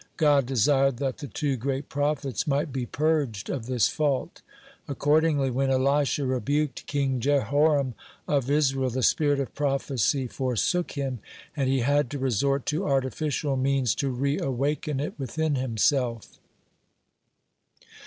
God desired that the two great prophets might be purged of this fault. Accordingly, when Elisha rebuked King Jehoram of Israel, the spirit of prophecy forsook him, and he had to resort to artificial means to re awaken it within himself.